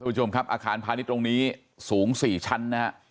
คุณผู้ชมครับอาคารพาณิชย์ตรงนี้สูง๔ชั้นนะฮะ